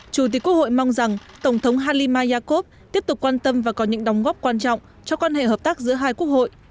chủ tịch quốc hội mong rằng tổng thống haliakov tiếp tục quan tâm và có những đóng góp quan trọng cho quan hệ hợp tác giữa hai quốc hội